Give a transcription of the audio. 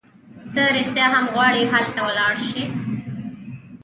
ته رېښتیا هم غواړي هلته ولاړه شې؟